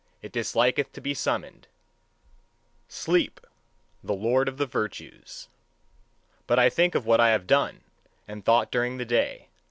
It disliketh to be summoned sleep, the lord of the virtues! But I think of what I have done and thought during the day.